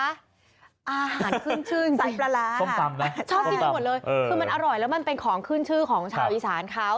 อาหารขึ้นชื่นสายปลาร้าชอบกินไปหมดเลยคือมันอร่อยแล้วมันเป็นของขึ้นชื่อของชาวอีสานเขา